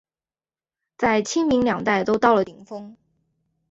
在清民两代都到了顶峰。